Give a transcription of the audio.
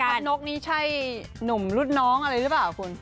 นกนี่ใช่หนุ่มรุ่นน้องอะไรหรือเปล่าคุณ